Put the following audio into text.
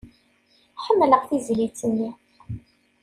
Ḥemmleɣ tizlit-nni.